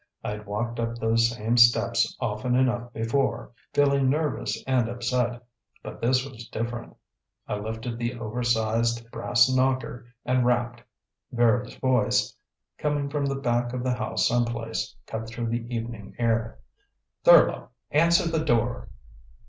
I'd walked up those same steps often enough before, feeling nervous and upset, but this was different. I lifted the oversized brass knocker and rapped. Vera's voice, coming from the back of the house someplace, cut through the evening air. "Thurlow! Answer the door!"